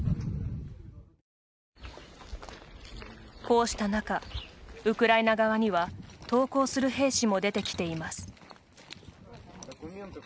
こうした中、ウクライナ側には投降する兵士も出てきています。